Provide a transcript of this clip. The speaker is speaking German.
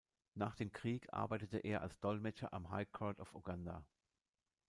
Nach dem Krieg arbeitete er als Dolmetscher am High Court of Uganda.